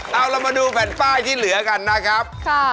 เอาเรามาดูแผ่นป้ายที่เหลือกันนะครับ